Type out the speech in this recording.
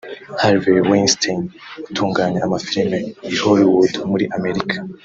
Harvey Weinstein utunganya amafilimi i Hollywood muri Amerika